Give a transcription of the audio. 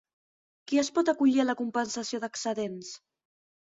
Qui es pot acollir a la compensació d'excedents?